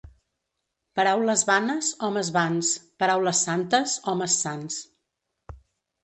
Paraules vanes, homes vans; paraules santes, homes sants.